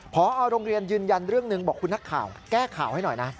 พอโรงเรียนยืนยันเรื่องหนึ่งบอกคุณนักข่าว